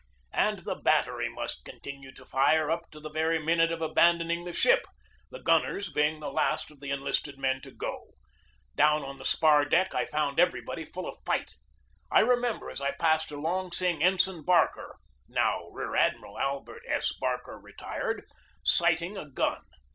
And the battery must continue to fire up to the very minute of abandoning the ship, the gunners being the last of the enlisted men to go. Down on the spar deck I found everybody full of fight. I re member as I passed along seeing Ensign Barker, now Rear Admiral Albert S. Barker (retired), sighting a gun.